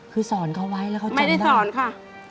คือสอนเขาไว้แล้วเขาจำได้นะคะดีพระอาทิตย์ไม่ได้สอนค่ะ